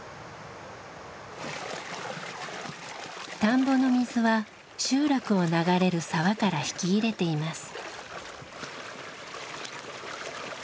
田んぼの水は集落を流れる沢から引き入れています。